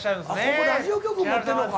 ここラジオ局もやってるのか。